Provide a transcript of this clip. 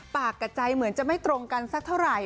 กับใจเหมือนจะไม่ตรงกันสักเท่าไหร่